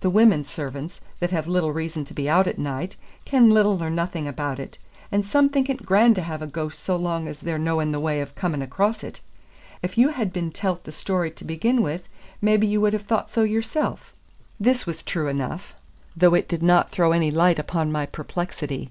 The women servants, that have little reason to be out at night, ken little or nothing about it. And some think it grand to have a ghost so long as they're no in the way of coming across it. If you had been tellt the story to begin with, maybe ye would have thought so yourself." This was true enough, though it did not throw any light upon my perplexity.